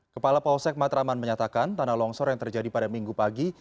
kepala polsek matraman menyatakan tanah longsor yang terjadi pada minggu pagi